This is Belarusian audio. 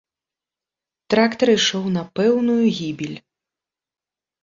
Трактар ішоў на пэўную гібель.